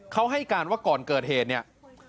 เขาให้การว่าก่อนเกิดเหตุเนี่ย